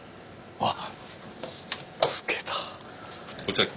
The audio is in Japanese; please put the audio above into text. あっ。